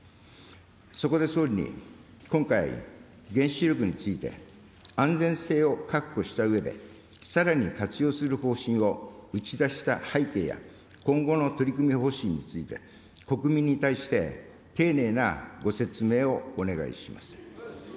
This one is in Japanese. そこで総理に、今回、原子力について安全性を確保したうえで、さらに活用する方針を打ち出した背景や、今後の取り組み方針について、国民に対して丁寧なご説明をお願いします。